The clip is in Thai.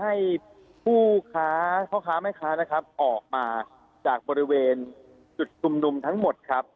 ให้ผู้ค้าประหลังออกมาจากบริเวณจุดสุมทรุมทั้งหมด